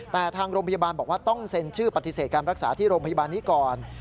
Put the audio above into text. แต่ทางโรงพยาบาลบอกว่าต้องเซ็นชื่อปฏิเสธการรักษาที่โรงพยาบาลนี้ก่อน